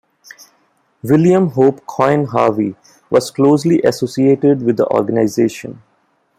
William Hope "Coin" Harvey was closely associated with the organization.